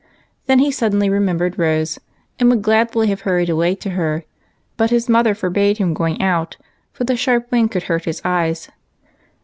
Then he suddenly remembered Rose, and would gladly have hurried away to her, but his mother forbade his going out, for the sharp wind would hurt his eyes.